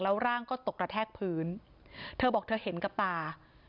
ร่างก็ตกกระแทกพื้นเธอบอกเธอเห็นกับตา